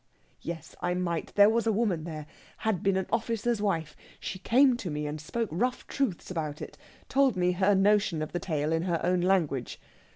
"Yes, I might. There was a woman there had been an officer's wife. She came to me and spoke rough truths about it told me her notion of the tale in her own language.